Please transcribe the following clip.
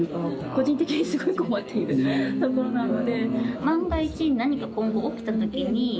個人的にすごい困っているところなので。